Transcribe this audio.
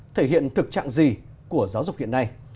thể hiện thực trạng gì của giáo dục hiện nay